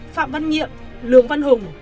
phạm văn nhiệm lường văn hùng